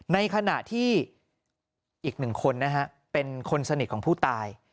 ในขณะที่อีกหนึ่งคนนะฮะเป็นคนสนิทของผู้ตาย